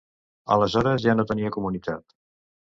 Aleshores ja no tenia comunitat.